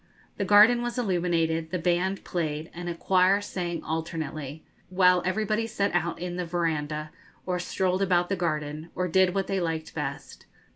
The garden was illuminated, the band played and a choir sang alternately, while everybody sat out in the verandah, or strolled about the garden, or did what they liked best.